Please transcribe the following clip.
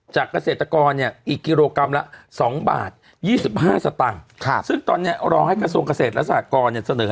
จากเกษตรกรเนี้ยอีกกิโลกรัมละสองบาทยี่สิบห้าสตางค์ค่ะซึ่งตอนเนี้ยรอให้กระทรวงเกษตรและสถานกรเนี้ย